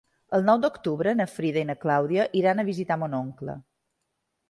El nou d'octubre na Frida i na Clàudia iran a visitar mon oncle.